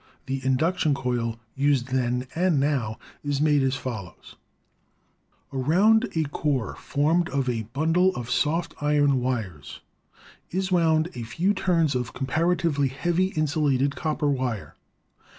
The induction coil used then and now is made as fol lows: Around a core formed of a bundle of soft iron' wires is wound a few turns of comparatively heavy in sulated copper wire.